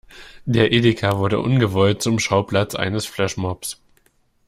Der Edeka wurde ungewollt zum Schauplatz eines Flashmobs.